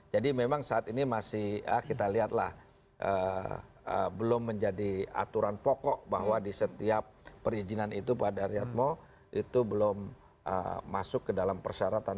jadi memang saat ini masih kita lihatlah belum menjadi aturan pokok bahwa di setiap perizinan itu pak daryatmo itu belum masuk ke dalam persyaratan